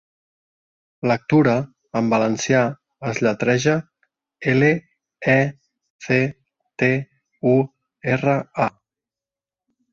'Lectura' en valencià es lletreja: ele, e, ce, te, u, erre, a.